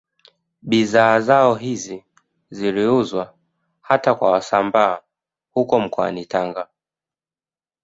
Bidhaa zao hizi ziliuzwa hata kwa Wasambaa huko mkoani Tanga